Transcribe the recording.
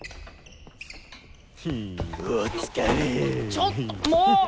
ちょっとも！